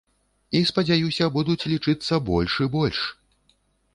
І, спадзяюся, будуць лічыцца больш і больш.